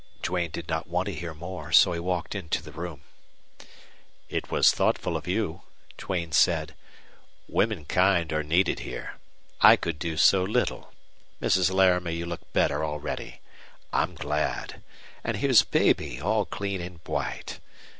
Duane did not want to hear more, so he walked into the room. "It was thoughtful of you," Duane said. "Womankind are needed here. I could do so little. Mrs. Laramie, you look better already. I'm glad. And here's baby, all clean and white.